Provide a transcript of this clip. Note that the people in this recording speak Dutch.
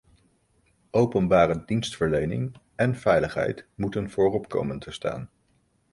Openbare dienstverlening en veiligheid moeten voorop komen te staan.